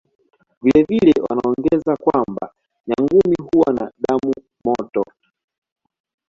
Vile vile wanaongeza kwamba Nyangumi huwa na damu motoY